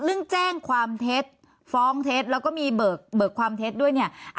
เรื่องแจ้งความเท็จฟ้องเท็จแล้วก็มีเบิกความเท็จด้วยเนี่ย